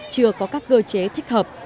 chưa có các cơ chế thích hợp